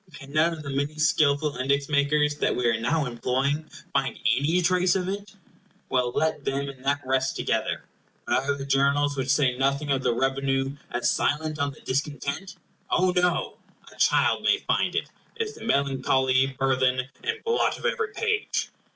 Can none of the many skilful index makers that we are now employing find any trace of it? Well, let them and that rest together. But are the Journals, which say nothing of the revenue, as silent on the discontent? Oh no! a child may find it. It is the melancholy burthen and blot of every page.